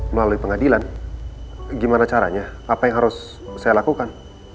melalui pengadilan gimana caranya apa yang harus saya lakukan